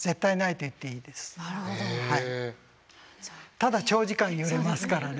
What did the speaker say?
ただ長時間揺れますからね。